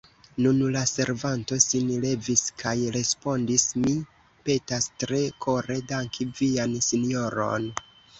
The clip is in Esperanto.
Nun la servanto sin levis kaj respondis: Mi petas tre kore danki vian sinjoron.